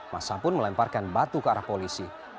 masa pun melemparkan batu ke arah polisi